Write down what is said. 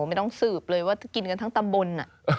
ไม่ต้องสืบเลยว่าจะกินกันทั้งตำบล